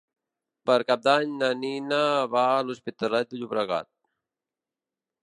Per Cap d'Any na Nina va a l'Hospitalet de Llobregat.